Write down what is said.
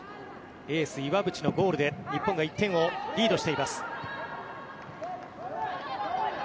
エース、岩渕のゴールで日本が１点をリードしています。